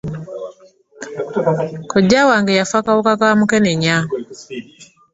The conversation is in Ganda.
Kojja wange yaffa kawuka ka mukenenya.